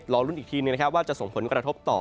รอรุ้นอีกทีนึงว่าจะส่งผลกระทบต่อ